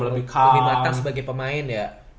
lebih matang sebagai pemain ya